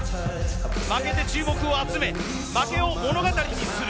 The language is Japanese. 負けて注目を集め負けを物語にする。